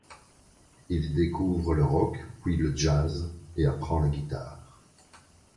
Il découvre le rock, puis le jazz, et apprend la guitare.